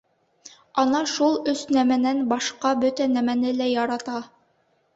Ана шул өс нәмәнән башҡа бөтә нәмәне лә ярата.